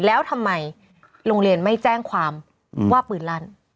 แล้วทำไมโรงเรียนไม่แจ้งความว่าปืนลั่น